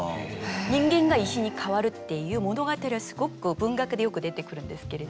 人間が石に変わるっていう物語はすごく文学でよく出てくるんですけれども。